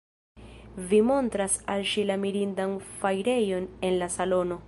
Vi montras al ŝi la mirindan fajrejon en la salono.